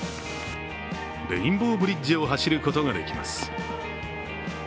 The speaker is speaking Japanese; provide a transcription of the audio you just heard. レインボーブリッジを走ることができます。